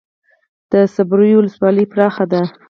د صبریو ولسوالۍ پراخه ده